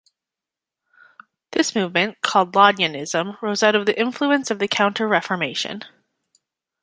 This movement, called Laudianism, rose out of the influence of the Counter-Reformation.